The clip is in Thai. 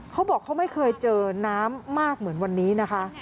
เขาบอกเขาไม่เคยเจอน้ำมากเหมือนวันนี้นะคะ